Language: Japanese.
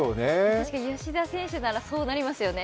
吉田選手ならそうなりますよね。